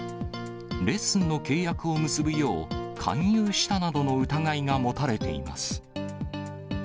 レッスンの契約を結ぶよう、勧誘したなどの疑いが持たれています。